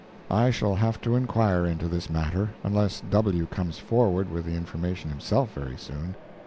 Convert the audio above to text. I shall have to inquire into this matter, unless "W" comes forward with the information himself very soon.